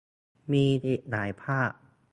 มีอีกหลายภาพ